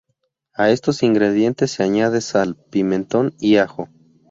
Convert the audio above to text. A estos ingredientes se añade sal, pimentón y ajo.